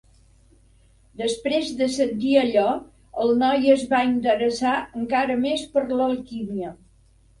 Després de sentir allò, el noi es va interessar encara més per l'alquímia.